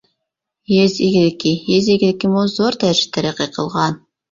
يېزا ئىگىلىكى يېزا ئىگىلىكىمۇ زور دەرىجىدە تەرەققىي قىلغان.